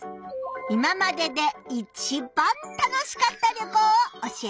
いままでで一番楽しかった旅行を教えて。